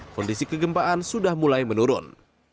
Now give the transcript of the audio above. kondisi kegempaan sudah mulai menurun